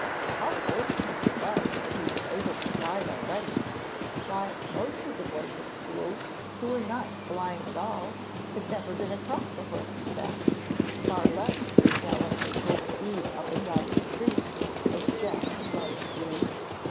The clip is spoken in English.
How fortunate it was that he was able to ride already! why, most of the boys at school, who were not blind at all, had never been across a horse's back, far less galloped at full speed up and down the street as Jack had loved to do!